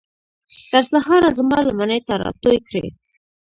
تر سهاره زما لمنې ته راتوی کړئ